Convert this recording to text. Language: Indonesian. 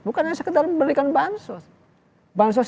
bukannya sekedar memberikan bansos